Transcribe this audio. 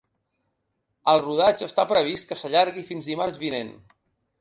El rodatge està previst que s’allargui fins dimarts vinent.